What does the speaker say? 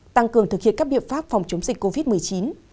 tăng cường thực hiện các biện pháp phòng chống dịch covid một mươi chín